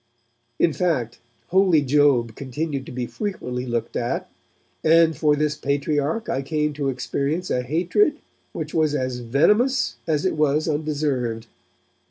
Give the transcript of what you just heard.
In fact, Holy Job continued to be frequently looked at, and for this Patriarch I came to experience a hatred which was as venomous as it was undeserved.